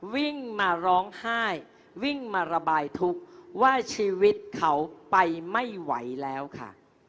วิ่งมาร้องไห้วิ่งมาระบายทุกข์ว่าชีวิตเขาไปไม่ไหวแล้วค่ะ